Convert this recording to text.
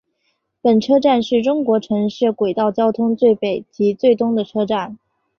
本车站是中国城市轨道交通最北及最东的车站。